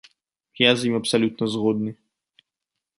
Я з ім абсалютна згодны.